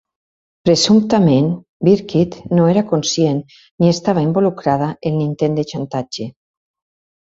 Presumptament, Birkitt no era conscient ni estava involucrada en l'intent de xantatge.